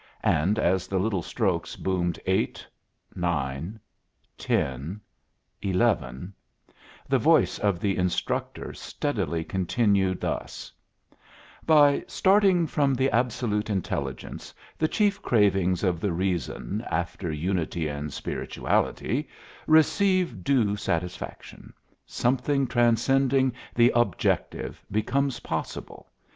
And as the little strokes boomed, eight nine ten eleven, the voice of the instructor steadily continued thus: "By starting from the Absolute Intelligence, the chief cravings of the reason, after unity and spirituality, receive due satisfaction. Something transcending the Objective becomes possible.